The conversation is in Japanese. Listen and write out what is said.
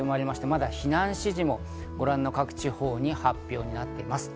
まだ避難指示もご覧の各地方に発表になっています。